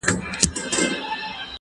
زه مخکي مړۍ خوړلي وه!.